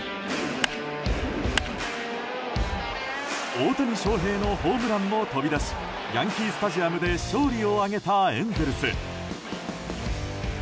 大谷翔平のホームランも飛び出しヤンキー・スタジアムで勝利を挙げたエンゼルス。